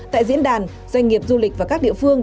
tại diễn đàn doanh nghiệp du lịch và các địa phương